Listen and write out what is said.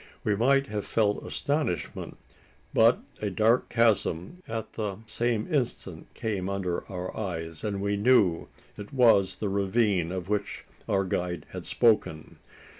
We might have felt astonishment; but a dark chasm at the same instant came under our eyes, and we knew it was the ravine of which our guide had spoken.